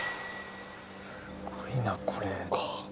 すごいなこれ。